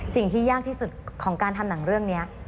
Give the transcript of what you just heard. สิ่งที่ยากที่สุดของการทำหนังเรื่องนี้